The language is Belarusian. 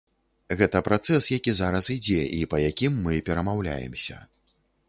Гэта працэс, які зараз ідзе і па якім мы перамаўляемся.